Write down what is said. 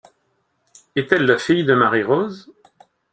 Est-elle la fille de Marie-Rose?